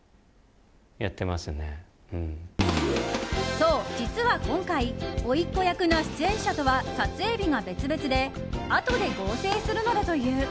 そう、実は今回おいっ子役の出演者とは撮影日が別々であとで合成するのだという。